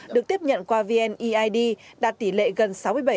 được tiếp nhận qua vneid đạt tỷ lệ gần sáu mươi bảy